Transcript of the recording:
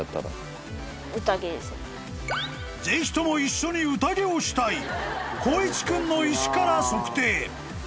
［ぜひとも一緒に宴をしたい光一君の石から測定］